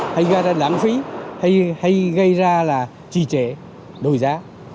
hay là đáng phí hay hay gây ra là trì trễ đổi giá